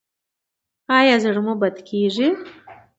ایا زړه مو بد کیږي؟